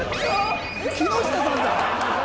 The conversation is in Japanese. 木下さんだ！